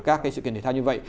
các sự kiện thể thao như vậy